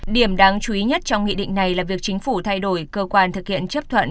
điểm đáng chú ý nhất trong nghị định này là việc chính phủ thay đổi cơ quan thực hiện chấp thuận